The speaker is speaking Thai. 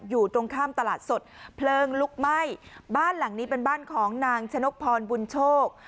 อยู่ตรงข้ามตลาดสดเพลิงลุกไหม้บ้านหลังนี้เป็นบ้านของนางชนกพรบุญโชค